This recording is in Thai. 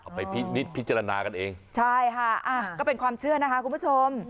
ไปพินิษฐพิจารณากันเองใช่ค่ะก็เป็นความเชื่อนะคะคุณผู้ชม